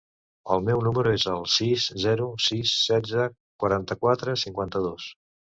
El meu número es el sis, zero, sis, setze, quaranta-quatre, cinquanta-dos.